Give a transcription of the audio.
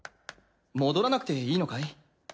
戻らなくていいのかい？